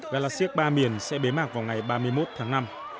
gala siếc ba miền sẽ bế mạc vào ngày ba mươi một tháng năm